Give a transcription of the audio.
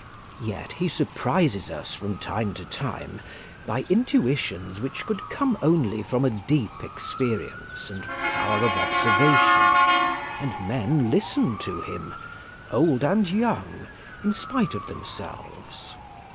Yet he surprises us from time to time by intuitions which could come only from a deep experience and power of observation; and men listen to him, old and young, in spite of themselves.